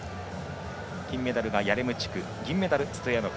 金メダルがヤレムチュク銀メダル、ストヤノフ。